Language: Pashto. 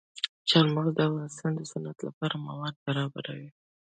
چار مغز د افغانستان د صنعت لپاره مواد برابروي.